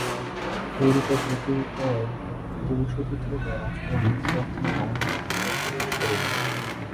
এই রূপে কতিপয় দিবস অতীত হইলে রাজকুমার নিজ রাজধানী গমনের অভিপ্রায় প্রকাশ করিলেন।